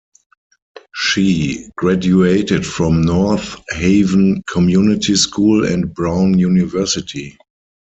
She graduated from North Haven Community School and Brown University.